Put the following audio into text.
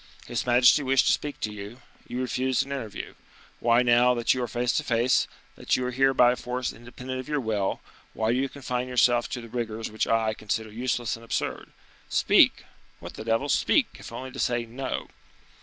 His majesty wished to speak to you, you refused an interview; why, now that you are face to face, that you are here by a force independent of your will, why do you confine yourself to the rigors which I consider useless and absurd? Speak! what the devil! speak, if only to say 'No.